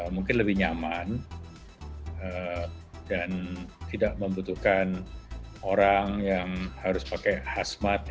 mungkin lebih nyaman dan tidak membutuhkan orang yang harus pakai khas mat